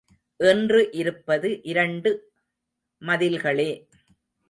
இன்று இருப்பது இரண்டு மதில்களே.